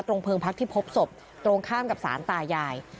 เพิงพักที่พบศพตรงข้ามกับสารตายาย